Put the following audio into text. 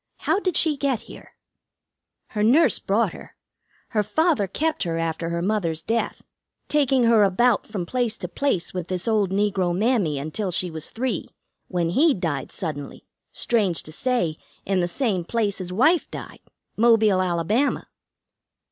How did she get here?" "Her nurse brought her. Her father kept her after her mother's death, taking her about from place to place with this old negro mammy until she was three, when he died suddenly, strange to say, in the same place his wife died, Mobile, Alabama."